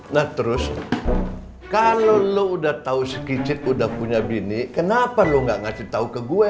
nah terus kalau lo udah tau sedikit udah punya bini kenapa lo gak ngasih tau ke gue